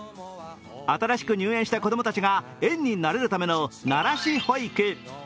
新しく入園した子供たちが園に慣れるための慣らし保育。